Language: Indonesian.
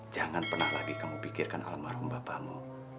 jangan pernah lagi kamu pikirkan alam mahrum bapakmu